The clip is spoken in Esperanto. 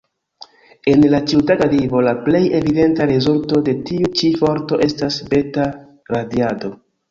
En la ĉiutaga vivo, la plej evidenta rezulto de tiu ĉi forto estas beta-radiado.